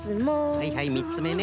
はいはい３つめね。